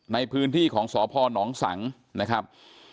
ในพื้นที่ของสพนสังนะครับ